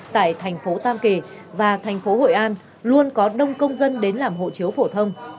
tại thành phố tam kỳ và thành phố hội an luôn có đông công dân đến làm hộ chiếu phổ thông